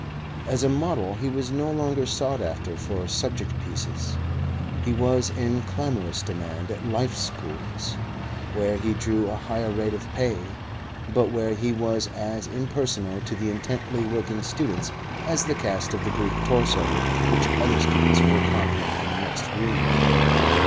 As a model he was no longer sought after for subject pieces. He was in clamorous demand at Life Schools, where he drew a higher rate of pay, but where he was as impersonal to the intently working students as the cast of the Greek torso which other students were copying in the next room.